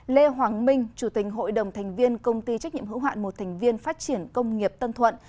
lê hoàng minh chủ tình hội đồng thành viên công ty trách nhiệm hữu hạn một thành viên phát triển công nghiệp tân thuận